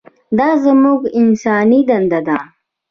دا زموږ انساني دنده ده.